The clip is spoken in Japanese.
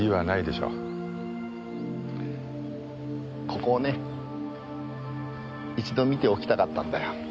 ここをね一度見ておきたかったんだよ。